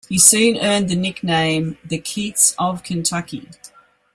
He soon earned the nickname the "Keats of Kentucky".